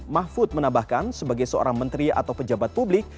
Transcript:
mahfud menambahkan sebagai seorang menteri atau pejabat publik